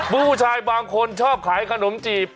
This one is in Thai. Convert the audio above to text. ผู้ชายบางคนชอบขายขนมจีบ